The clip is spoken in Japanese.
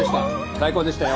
最高でしたよ。